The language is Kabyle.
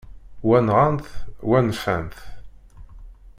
Wa, nɣan-t, wa nfant-t.